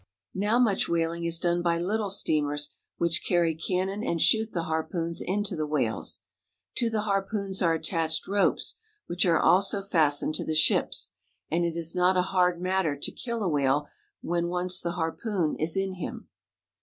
Now much whaling is done by little steamers which carry cannon and shoot the harpoons into the whales. To the harpoons are attached ropes, which are also fast ened to the ships, and it is not a hard matter to kill a whale when once the harpoon is m him.